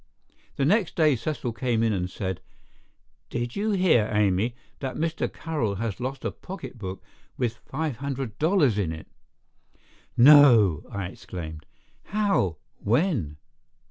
The next day Cecil came in and said: "Did you hear, Amy, that Mr. Carroll has lost a pocketbook with five hundred dollars in it?" "No!" I exclaimed. "How? When?